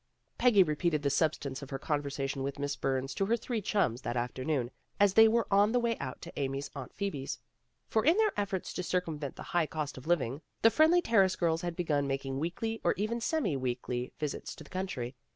Peggy repeated the substance of her conver sation with Miss Burns to her three chums that afternoon as they were on the way out to Amy's Aunt Phoebe's. For in their efforts to circum vent the high cost of living, the Friendly Ter race girls had begun making weekly or even semi weekly visits to the country.